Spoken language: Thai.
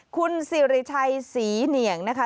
คุณสิริชัยศรีเหนียงนะคะ